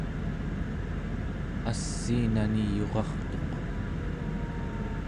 assiinani yurartuq